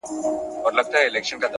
ډکي پیمانې مي تشولې اوس یې نه لرم -